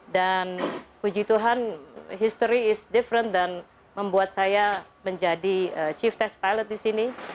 dan puji tuhan history is different dan membuat saya menjadi chief test pilot di sini